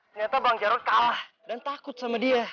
ternyata bang jarod kalah dan takut sama dia